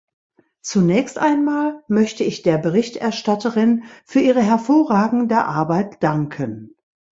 Zunächst einmal möchte ich der Berichterstatterin für ihre hervorragende Arbeit danken.